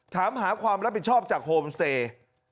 ถามหาความรับผิดชอบจากโฮมสเตย์